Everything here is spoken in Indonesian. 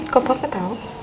kok papa tau